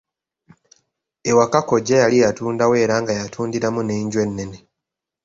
Ewaka, kkojja yali yatundawo era nga yatundiramu n'enju ennene.